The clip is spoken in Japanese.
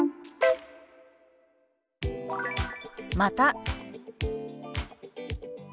「また」。